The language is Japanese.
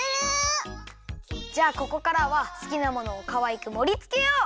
じゃあここからは好きなものをかわいくもりつけよう！